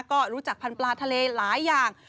ก็รู้จักพันธุปลาทะเลหลายอย่าง